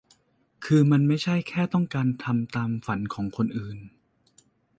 คือมันไม่ใช่แค่ต้องทำตามฝันของคนอื่น